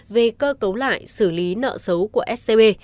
về cơ cấu lại xử lý nợ xấu của scb